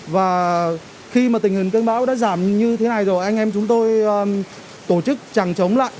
và khi mà tình hình cơn bão đã giảm như thế này rồi anh em chúng tôi tổ chức chẳng chống lại